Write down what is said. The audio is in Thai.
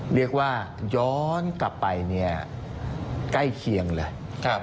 เรียกว่าย้อนกลับไปเนี่ยใกล้เคียงเลย